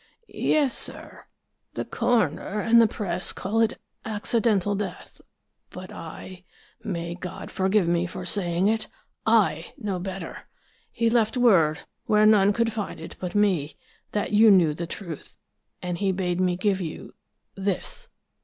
"Yes, sir. The coroner and the press call it accidental death, but I may God forgive me for saying it I know better! He left word where none could find it but me, that you knew the truth, and he bade me give you this!"